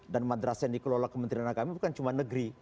dan madrasah yang dikelola kementerian agama bukan cuma negeri